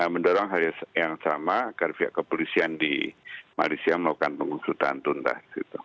mendorong hal yang sama agar pihak kepolisian di malaysia melakukan pengusutan tuntas